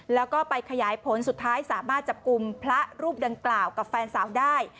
แล้วก็ไปขยายผลสุดท้ายสามารถจับกลุ่มพระรูปดังกล่าวกับแฟนสาวได้